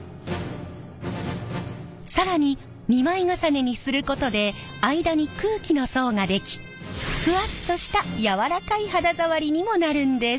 更に２枚重ねにすることで間に空気の層が出来ふわっとした柔らかい肌触りにもなるんです。